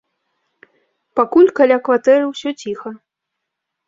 Пакуль каля кватэры ўсё ціха.